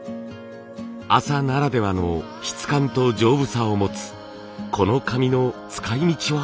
麻ならではの質感と丈夫さを持つこの紙の使いみちは？